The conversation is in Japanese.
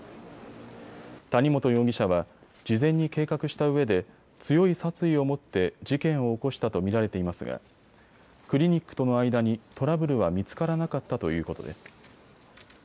谷本容疑者は事前に計画したうえで強い殺意を持って事件を起こしたと見られていますがクリニックとの間にトラブルは見つからなかったということです。